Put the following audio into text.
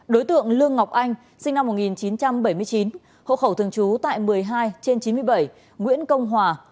đối tượng lương ngọc anh sinh năm một nghìn chín trăm bảy mươi chín hộ khẩu thường trú tại một mươi hai trên chín mươi bảy nguyễn công hòa